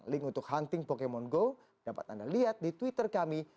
link untuk hunting pokemon go dapat anda lihat di twitter kami